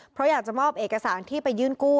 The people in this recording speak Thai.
เพราะอยากจะมอบเอกสารที่ไปยื่นกู้